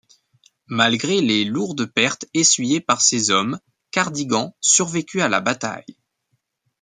Malgré les lourdes pertes essuyées par ses hommes, Cardigan survécut à la bataille.